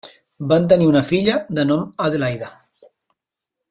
Van tenir una filla de nom Adelaida.